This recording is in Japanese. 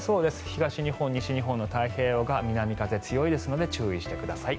東日本、西日本の太平洋側南風が強いですので注意してください。